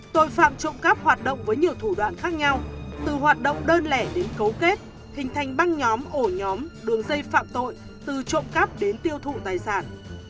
tội phạm trộm cắp hoạt động với nhiều thủ đoạn khác nhau từ hoạt động đơn lẻ đến cấu kết hình thành băng nhóm ổ nhóm đường dây phạm tội từ trộm cắp đến tiêu thụ tài sản